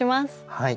はい。